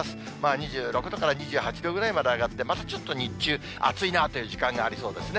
２６度から２８度ぐらいまで上がって、またちょっと日中、暑いなぁという時間がありそうですね。